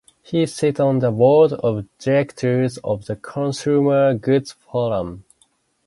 He sits on the Board of Directors of the Consumer Goods Forum.